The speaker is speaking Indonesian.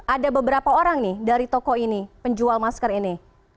ada beberapa orang nih dari toko ini penjual masker ini